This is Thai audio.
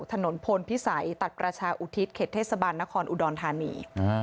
ถนนพลพิสัยตัดประชาอุทิศเขตเทศบาลนครอุดรธานี